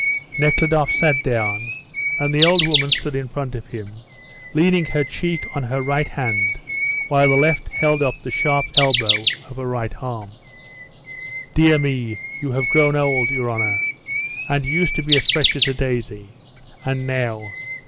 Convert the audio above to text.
Nekhludoff sat down, and the old woman stood in front of him, leaning her cheek on her right hand, while the left held up the sharp elbow of her right arm. "Dear me, you have grown old, your honour; and you used to be as fresh as a daisy. And now!